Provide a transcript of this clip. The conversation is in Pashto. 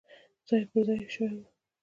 ځای پر ځای شوي وو.